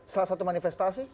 salah satu manifestasi